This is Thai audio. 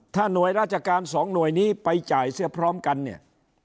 ถ้าหน่วยราชการสองหน่วยนี้ไปจ่ายเสียพร้อมกันเนี่ย